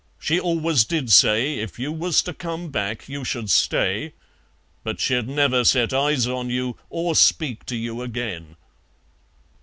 She always did say if you was to come back you should stay, but she'd never set eyes on you or speak to you again."